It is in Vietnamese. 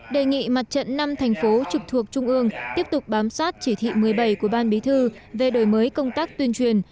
đề nghị mặt trận năm thành phố trực thuộc trung ương tiếp tục bám sát chỉ thị một mươi bảy của ban bí thư về đổi mới công tác tuyên truyền